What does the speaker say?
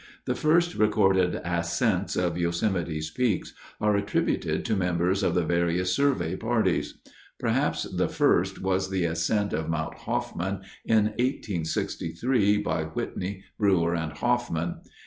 The first recorded ascents of Yosemite's peaks are attributed to members of the various survey parties. Perhaps the first was the ascent of Mount Hoffmann in 1863 by Whitney, Brewer, and Hoffmann.